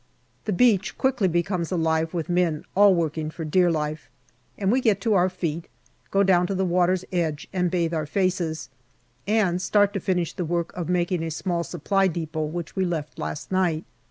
The beach quickly becomes alive with men all working for dear life, and we get to our feet, go down to the water's edge and bathe our faces, and start to finish the work of making a small Supply depot which we left last night.